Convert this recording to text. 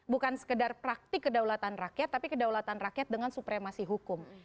bukan sekedar praktik kedaulatan rakyat tapi kedaulatan rakyat dengan supremasi hukum